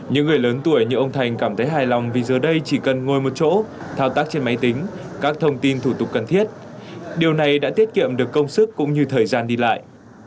những người lớn tuổi như ông thành cảm thấy hài lòng vì giờ đây chỉ cần ngồi một chỗ thao tác trên máy tính các thông tin thủ tục cần thiết điều này đã tiết kiệm được công sức cũng như thời gian đi lại